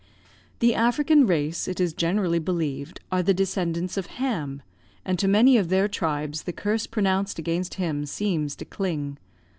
"The African race, it is generally believed, are the descendants of Ham, and to many of their tribes the curse pronounced against him seems to cling.